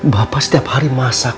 bapak setiap hari masak